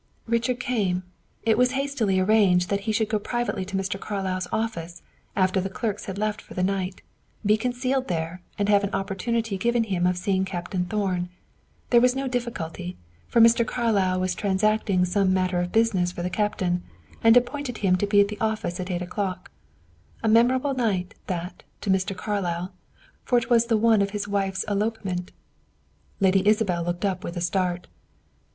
"Richard came. It was hastily arranged that he should go privately to Mr. Carlyle's office, after the clerks had left for the night, be concealed there, and have an opportunity given him of seeing Captain Thorn. There was no difficulty, for Mr. Carlyle was transacting some matter of business for the captain, and appointed him to be at the office at eight o'clock. A memorable night, that, to Mr. Carlyle, for it was the one of his wife's elopement." Lady Isabel looked up with a start.